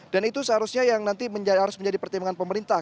dan itu seharusnya yang nanti harus menjadi pertimbangan pemerintah